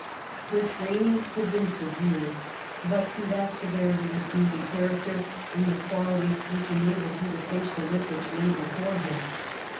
Her training had been severe ; but to that severity was due the character and the qualities which enabled her to face the work which lay before her.